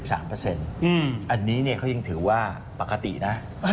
อันนี้เขายังถือว่าปกตินะ